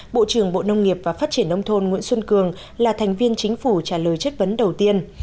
bộ trưởng bộ nông nghiệp và phát triển nông thôn nguyễn xuân cường là thành viên chính phủ trả lời chất vấn đầu tiên